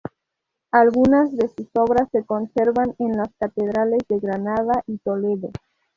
Algunas de sus obras se conservan en las catedrales de Granada y Toledo.